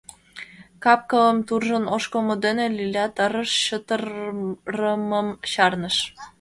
Кап-кылым туржын ошкылмо дене Лилят ырыш, чытырымым чарныш.